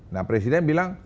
nah presiden bilang